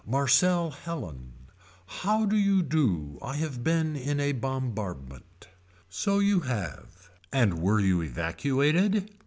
Marcelle Helen. How do you do I have been in a bombardment. So you have. And were you evacuated.